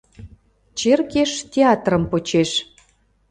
Черкеш театрым почеш.